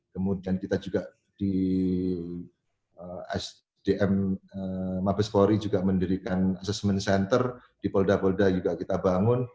kemudian kita juga di sdm mabes polri juga mendirikan assessment center di polda polda juga kita bangun